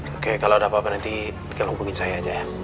oke kalau ada apa apa nanti bikin hubungin saya aja ya